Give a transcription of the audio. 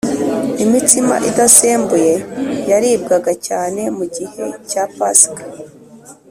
Imitsima idasembuye yaribwaga cyane mugihe cya pasika